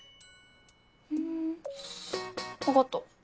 ふん分かった。